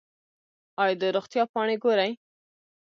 ایا د روغتیا پاڼې ګورئ؟